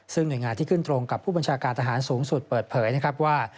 ซึ่งหน่วยงานที่ขึ้นตรงกับผู้บัญชาการทหารสูงสุดเปิดเผยนะครับว่า